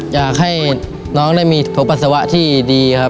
อยากให้น้องได้มีพบปัสสาวะที่ดีครับ